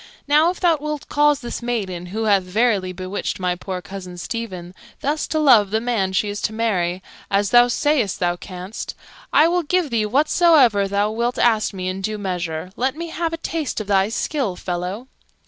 "Now, if thou wilt cause this maiden (who hath verily bewitched my poor cousin Stephen) thus to love the man she is to marry, as thou sayst thou canst, I will give thee whatsoever thou wilt ask me in due measure. Let me have a taste of thy skill, fellow."